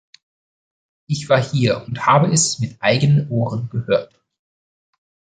Ich war hier und habe es mit meinen eigenen Ohren gehört!